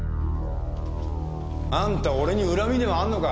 あんた俺に恨みでもあるのか？